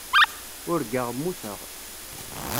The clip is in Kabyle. Urgaɣ mmuteɣ.